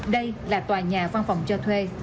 đây là tòa nhà văn phòng cho thuê